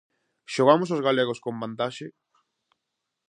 Xogamos os galegos con vantaxe?